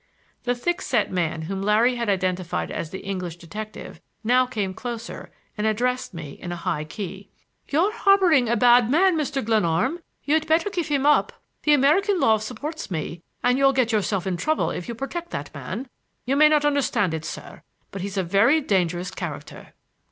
The thick set man whom Larry had identified as the English detective now came closer and addressed me in a high key. "You're harboring a bad man, Mr. Glenarm. You'd better give him up. The American law supports me, and you'll get yourself in trouble if you protect that man. You may not understand, sir, that he's a very dangerous character."